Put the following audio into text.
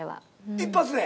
一発で？